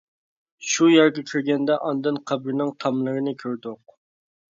شۇ يەرگە كىرگەندە ئاندىن قەبرىنىڭ تاملىرىنى كۆردۇق.